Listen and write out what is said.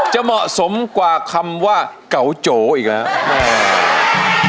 จะเหมาะสมกว่าคำว่าเก่าโจอีกแล้ว